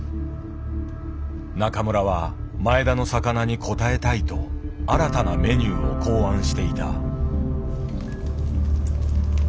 中村は前田の魚に応えたいと新たなメニューを考案していた。